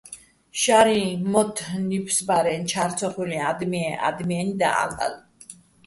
შარიჼ მოთთ ნიფსბარეჼ ჩა́რ ცო ხილ'უჲნი̆ ა́დმეჼ ადმიენი́ და, ა́ლ'ალე̆!